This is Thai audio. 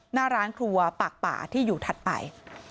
หน้าร้านครัวปากป่าที่อยู่ถัดไป